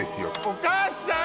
お母さん！